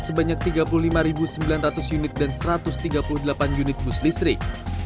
sebanyak tiga puluh lima sembilan ratus unit dan satu ratus tiga puluh delapan unit bus listrik